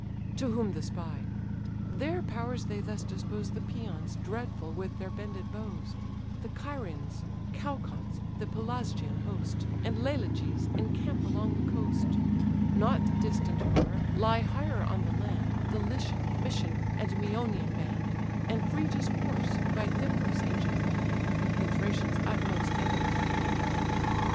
To whom the spy: "Their powers they thus dispose The Paeons, dreadful with their bended bows, The Carians, Caucons, the Pelasgian host, And Leleges, encamp along the coast. Not distant far, lie higher on the land The Lycian, Mysian, and Mæonian band, And Phrygia's horse, by Thymbras' ancient wall; The Thracians utmost, and apart from all.